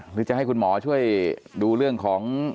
หรือจะให้คุณหมอช่วยดูเรื่องของ